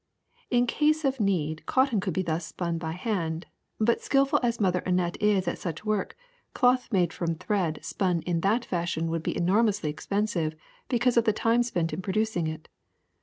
In case of need cotton could be thus spun by hand ; but, skilful as Mother Annette is at such work, cloth made from thread spun in that fashion would be enormously expensive because of the time spent in producing it.